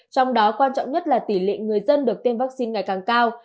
trong đó quan trọng nhất là tỷ lệ người dân được tiêm vaccine ngày càng cao